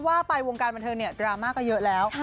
ว่าไปวงการบันเทิงเนี่ยดราม่าก็เยอะแล้ว